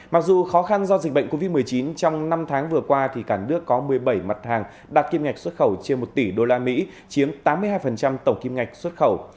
mặc dù khó khăn do dịch bệnh covid một mươi chín trong năm tháng vừa qua thì cả nước có một mươi bảy mặt hàng đạt kim ngạch xuất khẩu trên một tỷ usd chiếm tám mươi hai tổng kim ngạch xuất khẩu